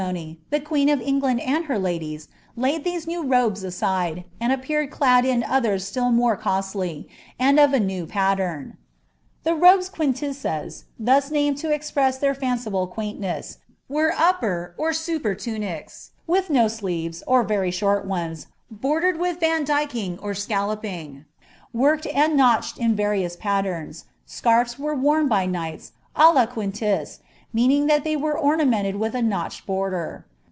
«i\a, ^t^««^ r I I cnony, ihe queen of England anil her loilies laiii tliese new robe* wiiict and appeared clad in others sijll mure costly, and of a new piun, The robes quiiUisei, thus named ta express their fanciful quainwah were upper, or superlunics, with no sleeves, or very short oiiea, bordcnd wilh vandyking, or acoUoping, worked and notched in various paUenu, scarfs were worn by knights, li la quitUUc, meaning thai they wtn ornamented with a notched border.